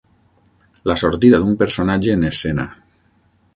La sortida d'un personatge en escena.